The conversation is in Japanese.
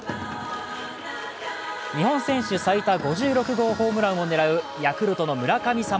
日本選手最多５６号ホームランを狙う、ヤクルトの村神様